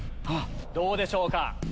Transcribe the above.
どうでしょうか？